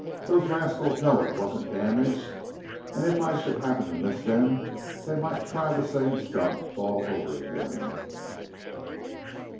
Those rascals know it wasn't damaged, and if I should happen to miss them, they might try the same stunt all over again."